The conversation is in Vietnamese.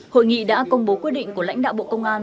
hội nghị đã công bố quyết định của lãnh đạo bộ công an